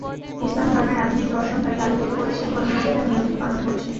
ইসলাম ধর্মের আধুনিক দর্শন তাকে আলোকিত করেছে, ধর্মীয় বিধান নিয়মিত পালন করছে।